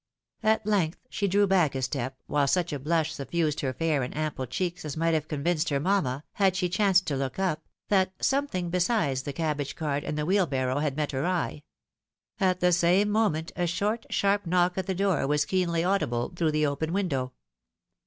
At length she drew back a step, wliile such a blush suffused her fair and ample cheeks as might have convinced her mamma, had she chanced to look up, that something besides the cabbage cart and the wheelbarrow had met her eye. At the same moment a short, sharp knock at the door was keenly audible through the open window.